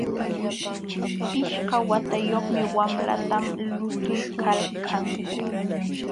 Pishqa watayuq wamlatam lutuykalkan.